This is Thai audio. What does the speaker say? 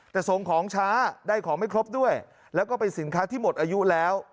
แต่ส่งของช้าได้ของไม่ครบด้วยแล้วก็เป็นสินค้าที่หมดอายุแล้ว